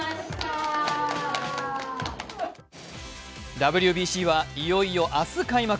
ＷＢＣはいよいよ明日開幕。